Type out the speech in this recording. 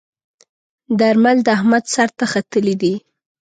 درمل د احمد سر ته ختلي ديی.